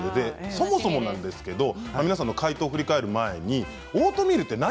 そもそもなんですけど皆さんの解答を振り返る前に「オートミールって何？」